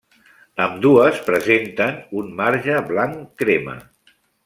Ambdues presenten un marge blanc-crema.